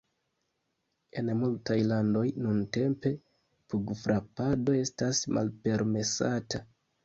En multaj landoj nuntempe pugfrapado estas malpermesata.